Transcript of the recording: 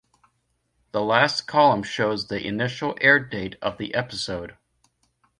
The last column shows the initial air date of the episode.